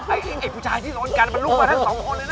ไอ้ผู้ชายที่โดนกันมันลุกมาทั้งสองคนเลยนะ